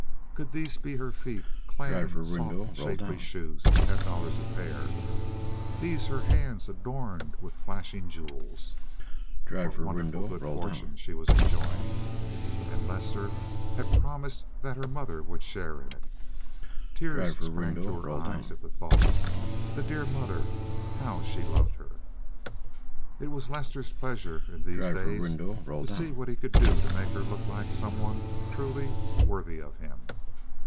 Could these be her feet, clad in soft shapely shoes at ten dollars a pair, these her hands adorned with flashing jewels? What wonderful good fortune she was enjoying! And Lester had promised that her mother would share in it. Tears sprang to her eyes at the thought. The dear mother, how she loved her! It was Lester's pleasure in these days to see what he could do to make her look like some one truly worthy of im.